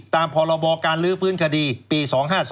ตามพรบการลื้อฟื้นคดีปี๒๕๒